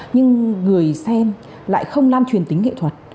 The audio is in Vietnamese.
nhưng người xem lại không lan truyền tính nghệ thuật